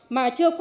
mà chưa qua